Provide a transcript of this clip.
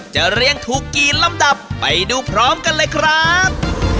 เรียงถูกกี่ลำดับไปดูพร้อมกันเลยครับ